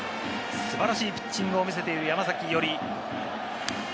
素晴らしいピッチングを続けている山崎伊織。